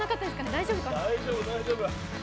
大丈夫、大丈夫。